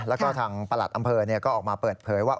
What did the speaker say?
แล้วก็ทางประหลัดอำเภอก็ออกมาเปิดเผยว่า